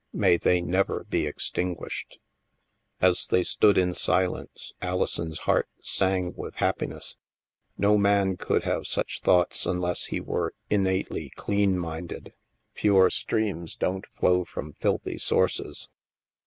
May they never be extinguished !" As they stood in silence, Alison's heart sang with happiness. No man could have such thoughts un less he were innately clean minded. Pure streams don't flow from filthy sources.